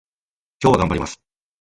今日は頑張ります